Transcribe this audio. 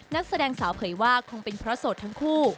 นักแสดงสาวเผยว่าคงเป็นเพราะโสดทั้งคู่